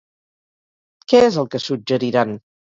Què és el que suggeriran?